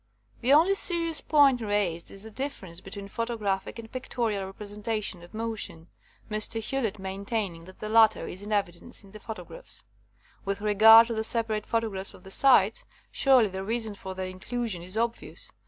The only serious point raised is the differ ence between photographic and pictorial representation of motion — Mr. Hewlett maintaining that the latter is in evidence in the photographs. 88 RECEPTION OF THE FIRST PHOTOGRAPHS With regard to the separate photographs of the sites, surely the reason for their in clusion is obvious.